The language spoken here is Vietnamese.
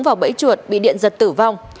vào bẫy chuột bị điện giật tử vong